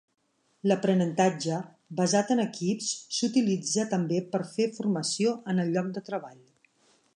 L'aprenentatge basat en equips s’utilitza també per fer formació en el lloc de treball.